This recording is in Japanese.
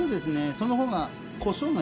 そのほうが。